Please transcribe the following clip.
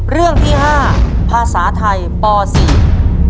เรื่องที่ห้าภาษาไทยปสี่